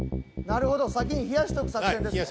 なるほど先に冷やしておく作戦ですね。